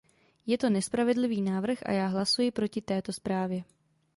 Je to nespravedlivý návrh a já hlasuji proti této zprávě.